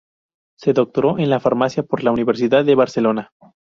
Se doctoró en farmacia por la Universidad de Barcelona.